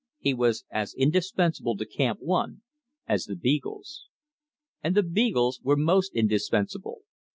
He was as indispensable to Camp One as the beagles. And the beagles were most indispensable.